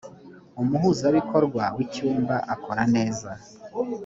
umuhuzabikorwa w ‘icyumba akora neza.